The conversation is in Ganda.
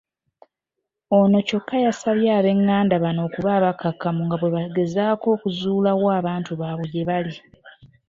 Ono kyokka yasabye ab'engganda bano okuba abakkakkamu nga bwebagezaako okuzuula wa abantu baabwe gyebali.